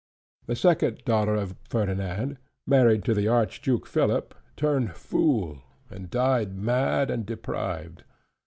The second daughter of Ferdinand, married to the Arch Duke Philip, turned fool, and died mad and deprived.